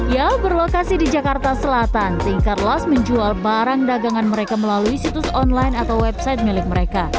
ya berlokasi di jakarta selatan thinker las menjual barang dagangan mereka melalui situs online atau website milik mereka